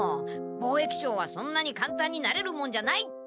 貿易商はそんなにかんたんになれるもんじゃないって。